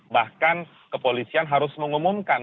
bahkan kepolisian harus mengumumkan